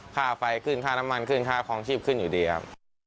ค่าไฟขึ้นค่าน้ำมันขึ้นค่าคลองชีพขึ้นอยู่ดีครับ